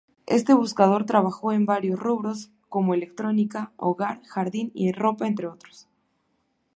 Este buscador trabajo en varios rubros como electrónica, hogar, jardín y ropa ente otros.